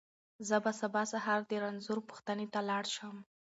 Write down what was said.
زه به سبا سهار د رنځور پوښتنې ته لاړ شم.